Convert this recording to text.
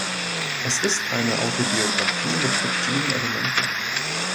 Es ist eine Autobiografie mit fiktiven Elementen.